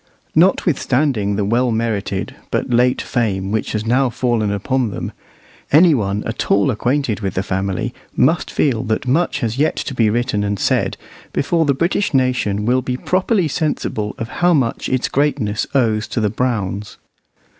Notwithstanding the well merited but late fame which has now fallen upon them, any one at all acquainted with the family must feel that much has yet to be written and said before the British nation will be properly sensible of how much of its greatness it owes to the Browns.